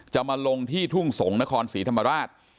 จะมาลงที่ทุ่งสงศ์นครศรีธรรมราช